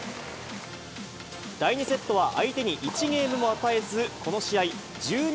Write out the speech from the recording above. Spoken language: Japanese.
第２セットは、相手に１ゲームも与えず、この試合１２